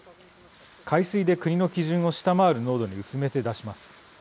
海水で国の基準を下回る濃度に薄めて出します。